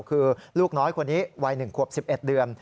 คือลูกน้อยคนนี้วัย๑ขวบ๑๑เดือน